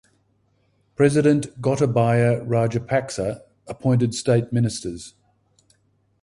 President Gotabaya Rajapaksa appointed state ministers.